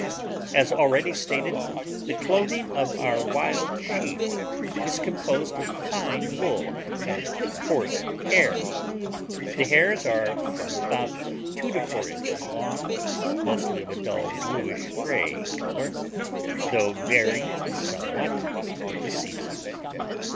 As already stated, the clothing of our wild sheep is composed of fine wool and coarse hair. The hairs are from about two to four inches long, mostly of a dull bluish gray color, though varying somewhat with the seasons.